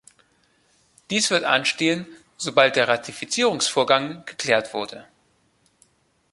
Dies wird anstehen, sobald der Ratifizierungsvorgang geklärt wurde.